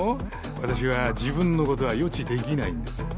私は自分のことは予知できないんです。